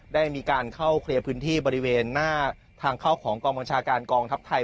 ได้มีการเข้าเคลียร์พื้นที่บริเวณหน้าทางเข้าของกองบัญชาการกองทัพไทย